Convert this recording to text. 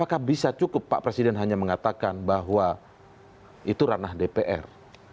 apakah bisa cukup pak presiden hanya mengatakan bahwa itu ranah dpr